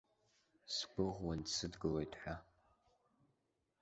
Сгәыӷуан дсыдгылоит ҳәа.